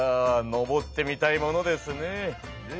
登ってみたいものですね。